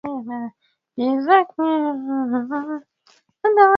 binafsi wa tatu mawaziri wa ulinzi wa Marekani kabla ya mwaka elfu moja mia